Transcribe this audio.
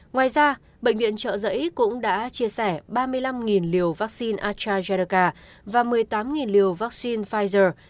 ngoài ra bệnh viện trợ giấy cũng đã chia sẻ ba mươi năm liều vaccine astrazeneca và một mươi tám liều vaccine pfizer